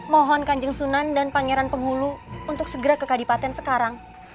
mohon kanjeng sunan dan pangeran penghulu untuk segera ke kadipaten sekarang